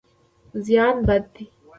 زیان بد دی.